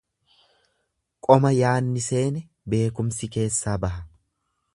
Qoma yaanni seene beekumsi keessaa baha.